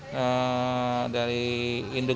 kemudian kalau misalnya dari